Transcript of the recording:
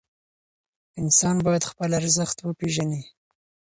انسان باید خپل ارزښت وپېژني.